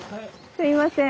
すいません。